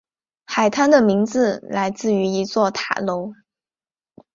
海滩的名字来自于一座塔楼。